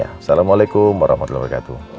assalamualaikum warahmatullahi wabarakatuh